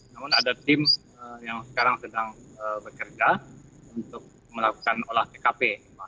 namun ada tim yang sekarang sedang bekerja untuk melakukan olah tkp